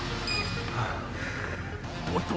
おっと。